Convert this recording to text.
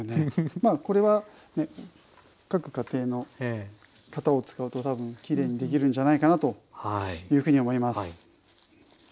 まあこれは各家庭の型を使うと多分きれいにできるんじゃないかなというふうに思います。